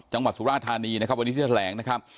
จังหวัดสุราธารณีนะครับวันนี้ที่แถลงนะครับ